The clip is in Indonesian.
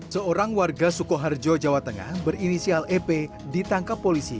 seorang warga sukoharjo jawa tengah berinisial ep ditangkap polisi